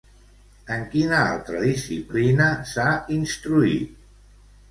En quina altra disciplina s'ha instruït?